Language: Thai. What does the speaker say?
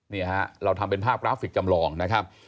นี่ฮะเราทำเป็นภาพกราฟิกจำลองนะครับ